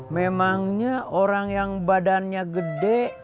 memangnya orang yang badannya gede